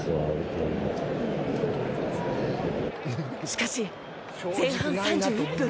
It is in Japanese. しかし、前半３１分。